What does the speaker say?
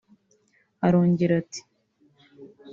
Arongera ati